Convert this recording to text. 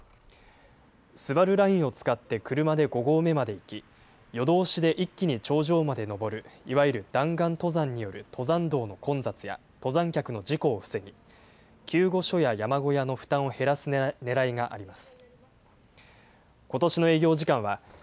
スバルラインを使って車で５合目まで行き、夜通しで一気に頂上まで登るいわゆる弾丸登山による登山道の混雑や、登山客の事故を防ぎ、救護所や山小屋の負担を減らすねらいがあります。